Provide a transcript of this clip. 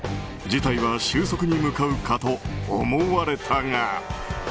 事態は収束に向かうかと思われたが。